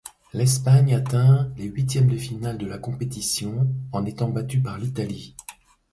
L'Espagne atteint les huitièmes de finale de la compétition, en étant battue par l'Italie.